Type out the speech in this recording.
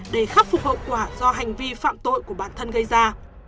để khắc phục hậu quả do hành vi phạm tội của bản thân gây ra